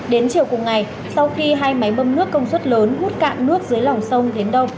đến chiều cùng ngày sau khi hai máy bơm nước công suất lớn hút cạn nước dưới lòng sông đến đâu